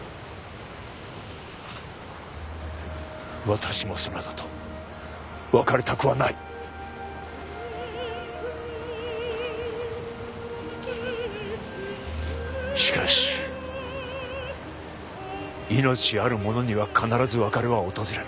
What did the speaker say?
私もそなたと別れたくはないしかし命あるものには必ず別れは訪れる